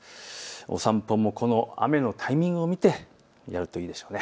お散歩もこの雨のタイミングを見てやるといいでしょうね。